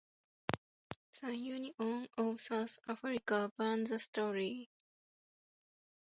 The Union of South Africa banned the story.